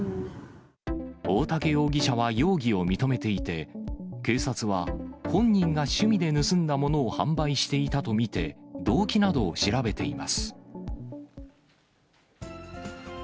大竹容疑者は容疑を認めていて、警察は本人が趣味で盗んだものを販売していたと見て、動機などを調べています。